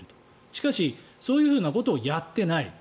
しかし、そういうことをやってない。